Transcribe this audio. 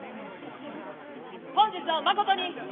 本日はまことに。